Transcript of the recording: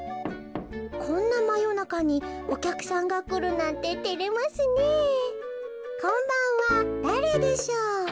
「こんなまよなかにおきゃくさんがくるなんててれますねえこんばんはだれでしょう？」。